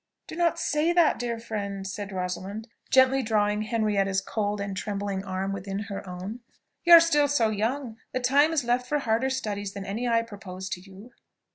"Do not say that, dear friend," said Rosalind, gently drawing Henrietta's cold and trembling arm within her own. "You are still so young, that time is left for harder studies than any I propose to you."